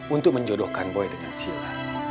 untuk menjodohkan boy dengan sila